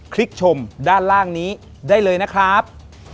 ครับ